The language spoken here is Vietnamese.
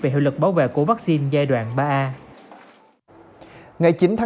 về hiệu lực bảo vệ của vaccine giai đoạn ba a